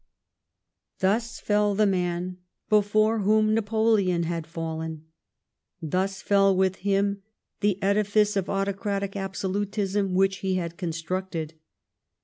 Thus fell the man before whom Napoleon had fallen. Thus fell with him, the edifice of autocratic absolutism which he had constructed.